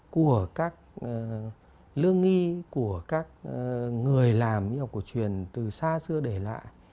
của các lương nghi của các người làm y học cổ truyền từ xa xưa để lại